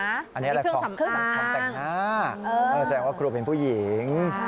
อันนี้แหละของแต่งหน้าแสดงว่าครูเป็นผู้หญิง